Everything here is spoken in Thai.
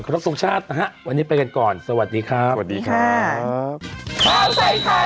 คโณคตรงชาติอะฮะวันนี้ไปกันก่อนสวัสดีครับ